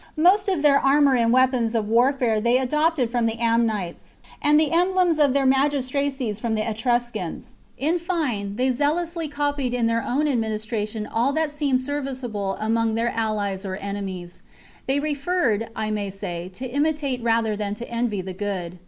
Most of their armour and weapons of warfare they adopted from the Samnites, and the emblems of their magistracies from the Etruscans ; in fine, they zeal ously copied in their own administration all that seemed serviceable among their allies or enemies. They preferred, I may say, to imitate rather than to envy the good.